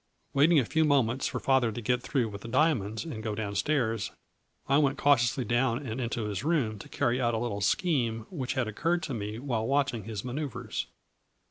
Waiting a few moments for father to get through with the diamonds and go down stairs, I went cau 108 ^ FLURRY IN DIAMONDS. tiously down and into his room to carry out a little scheme which had occurred to me while watching his manoeuvres.